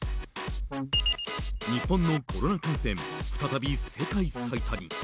日本のコロナ感染再び世界最多に。